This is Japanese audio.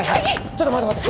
ちょっと待って待って。